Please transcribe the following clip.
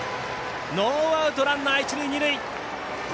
ノーアウトランナー、一塁二塁。